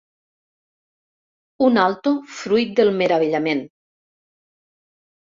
Un alto fruit del meravellament.